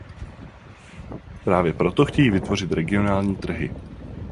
Právě proto chtějí vytvořit regionální trhy.